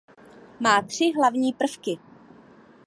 Má tři hlavní prvky.